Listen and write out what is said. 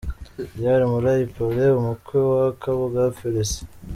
Dr. Murayi Paulin umukwe wa Kabuga Felecien